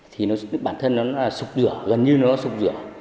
thì bản thân nó là sụp rửa gần như nó sụp rửa